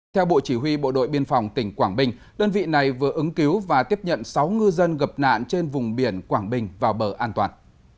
theo bộ chỉ huy bộ đội biên phòng tỉnh quảng bình đơn vị này vừa ứng cứu và tiếp nhận sáu ngư dân gặp nạn trên vùng biển quảng bình vào bờ an toàn